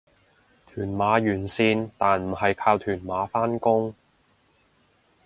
屯馬沿線但唔係靠屯馬返工